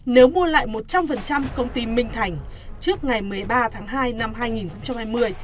nếu mua lại một trăm linh công ty minh thành trước ngày một mươi ba tháng hai năm hai nghìn hai mươi